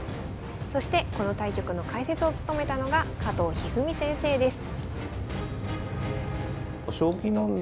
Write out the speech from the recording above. そしてこの対局の解説を務めたのが加藤一二三先生です。